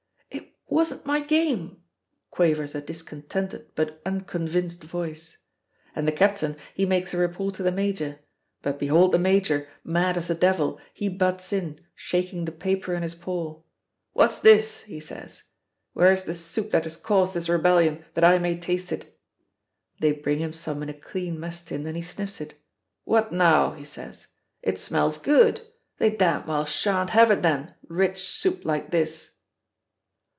'" "It wasn't my game," quavers a discontented but unconvinced voice. "And the captain, he makes a report to the major. But behold the major, mad as the devil, he butts in shaking the paper in his paw: 'What's this?' he says. 'Where's the soup that has caused this rebellion, that I may taste it?' They bring him some in a clean mess tin and he sniffs it. 'What now!' he says, 'it smells good. They damned well shan't have it then, rich soup like this!'"